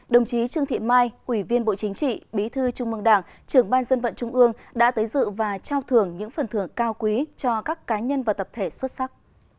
đồng chí trương thị mai ủy viên bộ chính trị bí thư trung mương đảng trưởng ban dân vận trung ương đã tới dự và trao thưởng những phần thưởng cao quý cho các cá nhân và tập thể xuất sắc